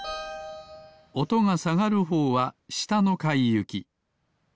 おとがさがるほうはしたのかいゆき。